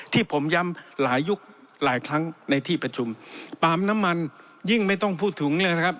ที่ผมย้ำหลายยุคหลายครั้งในที่ประชุมปาล์มน้ำมันยิ่งไม่ต้องพูดถึงเลยนะครับ